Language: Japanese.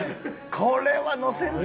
これはのせるぞ！